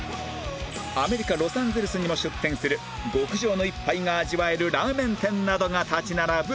アメリカロサンゼルスにも出店する極上の一杯が味わえるラーメン店などが立ち並ぶ他